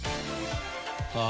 ああ。